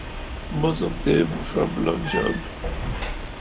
Most of them from long jump.